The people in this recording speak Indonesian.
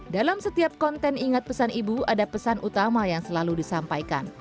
dalam setiap konten ingat pesan ibu ada pesan utama yang selalu disampaikan